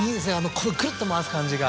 このクルっと回す感じが。